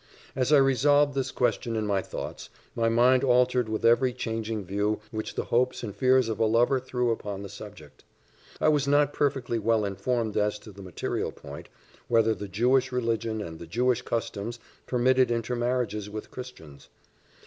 As I revolved this question in my thoughts, my mind altered with every changing view which the hopes and fears of a lover threw upon the subject. I was not perfectly well informed as to the material point, whether the Jewish religion and Jewish customs permitted intermarriages with Christians.